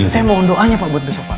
saya mohon doanya pak buat besok pak